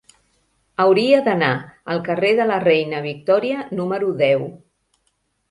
Hauria d'anar al carrer de la Reina Victòria número deu.